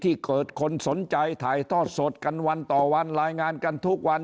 ที่เกิดคนสนใจถ่ายทอดสดกันวันต่อวันรายงานกันทุกวัน